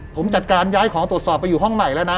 ผมจัดการย้ายของตรวจสอบไปอยู่ห้องใหม่แล้วนะ